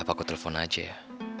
aku telpon aja ya